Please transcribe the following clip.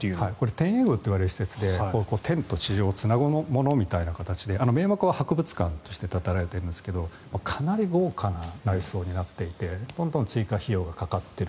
天苑宮といわれる施設で天と地上をつなぐものといわれていて名目は博物館として建てられているんですがかなり豪華な内装になっていてどんどん追加費用がかかっている。